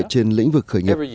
trên lĩnh vực khởi nghiệp